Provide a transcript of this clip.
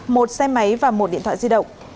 một xe máy và một điện thoại di động